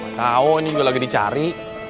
gak tau ini juga lagi dicari